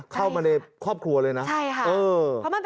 เข้ามาในครอบครัวเลยนะ